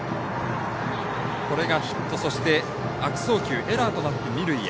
これがヒット、そして悪送球エラーとなって二塁へ。